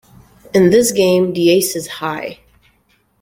In this game, the ace is high.